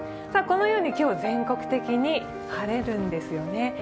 このように今日は全国的に晴れるんですよね。